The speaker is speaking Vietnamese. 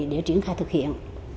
để triển khai thực hiện